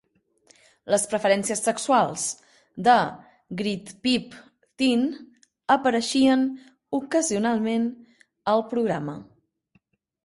Les preferències sexuals de Grytpype-Thynne apareixien ocasionalment al programa.